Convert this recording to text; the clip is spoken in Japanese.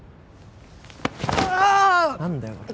何だよ、こら。